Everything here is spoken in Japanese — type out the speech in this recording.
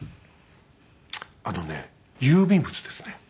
あのね郵便物ですね。